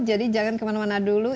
jadi jangan kemana mana dulu